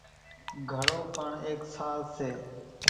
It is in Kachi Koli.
گھڙو پڻ ايڪ ساز سي۔